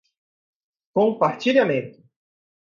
compartilhamento